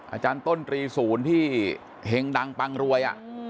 อาจารย์ต้นตรีศูนย์ที่เห็งดังปังรวย